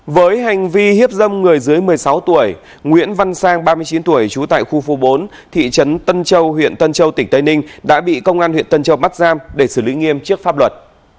với hành vi hiếp dâm người dưới một mươi sáu tuổi nguyễn văn sang ba mươi chín tuổi trú tại khu phố bốn thị trấn tân châu huyện tân châu tỉnh tây ninh đã bị công an huyện tân châu bắt giam để xử lý nghiêm trước pháp luật